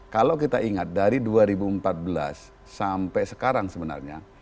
kalau kita ingat dari dua ribu empat belas sampai sekarang sebenarnya